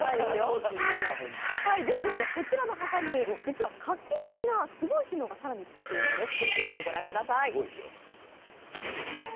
ではこちらのはさみ、実は画期的なすごい機能が更についているんです。